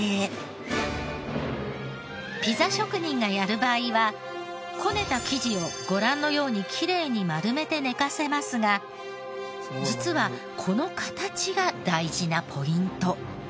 ここからがこねた生地をご覧のようにきれいに丸めて寝かせますが実はこの形が大事なポイント。